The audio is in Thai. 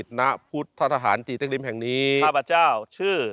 ข้าไปเจ้าชื่อ